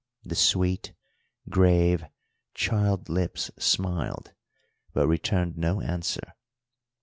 The sweet, grave, child lips smiled, but returned no answer.